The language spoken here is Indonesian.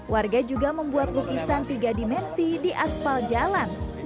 warga juga membuat lukisan tiga dimensi di asfal jalan